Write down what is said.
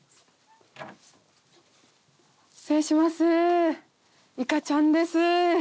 失礼しますいかちゃんです。